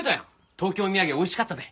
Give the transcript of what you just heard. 東京土産美味しかったで。